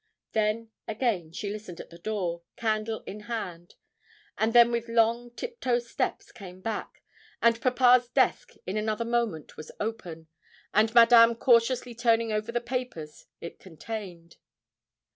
Then, again, she listened at the door, candle in hand, and then with long tiptoe steps came back, and papa's desk in another moment was open, and Madame cautiously turning over the papers it contained.